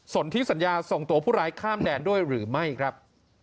ส่วนที่สัญญาส่งตัวผู้ร้ายข้ามแดนด้วยหรือไม่ครับ